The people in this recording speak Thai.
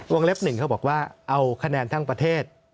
เล็บ๑เขาบอกว่าเอาคะแนนทั้งประเทศ